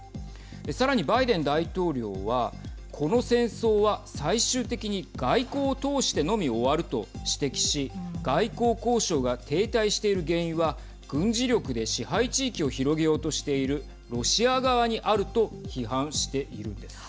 さらに、バイデン大統領はこの戦争は最終的に外交を通してのみ終わると指摘し外交交渉が停滞している原因は軍事力で支配地域を広げようとしているロシア側にあると批判しているんです。